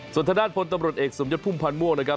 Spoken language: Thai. ส่วนทางด้านพลตำรวจเอกสมยศพุ่มพันธ์ม่วงนะครับ